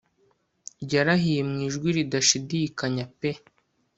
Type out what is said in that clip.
Yarahiye mu ijwi ridashidikanya pe